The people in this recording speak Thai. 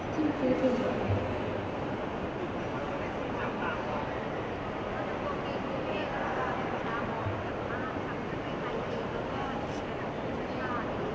ที่มีความรู้สึกกว่าที่มีความรู้สึกกว่าที่มีความรู้สึกกว่า